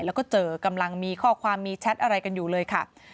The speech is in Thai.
แล้วก็เจอกำลังมีข้อความมีแชทอะไรกันอยู่เลยค่ะ